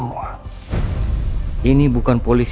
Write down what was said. ow ensurekan juga